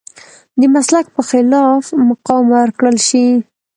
د مسلک په خلاف مقام ورکړل شي.